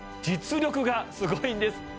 実力がすごいんです